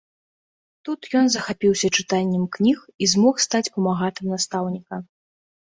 Тут ён захапіўся чытаннем кніг і змог стаць памагатым настаўніка.